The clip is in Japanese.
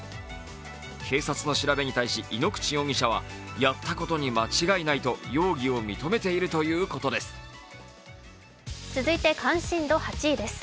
警察の調べに対し井ノ口容疑者はやったことに間違いないと容疑を認めているということです。